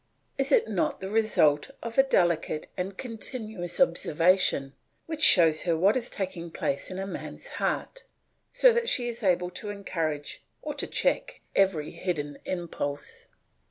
Is it not the result of a delicate and continuous observation which shows her what is taking place in a man's heart, so that she is able to encourage or to check every hidden impulse?